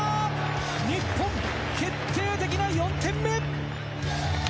日本決定的な４点目！